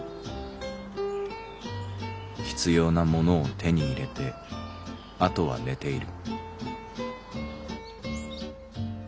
「必要なものを手に入れてあとは寝ている」。